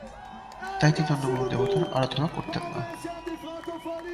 তাই তিনি অন্য কোন দেবতার আরাধনা করতেন না।